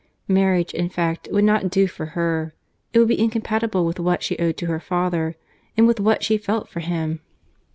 —Marriage, in fact, would not do for her. It would be incompatible with what she owed to her father, and with what she felt for him.